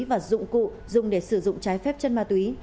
và dụng cụ dùng để sử dụng trái phép chất ma túy